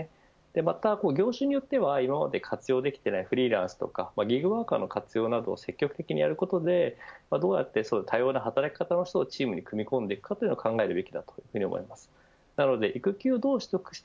また業種によっては今まで活用できていないフリーランスとかギグワーカーの活用などを積極的にやることでどうやって多様な働き方の人をチームに組み込んでいくことを考えていくべきです。